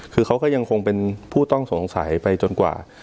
คือเขาก็ยังคงเป็นผู้ต้องสงสัยไปจนกว่า